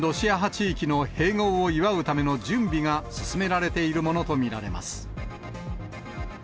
地域の併合を祝うための準備が進められているものと見られます。